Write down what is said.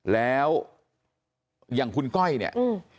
แล้วอย่างคุณก้อยเนี่ยอืม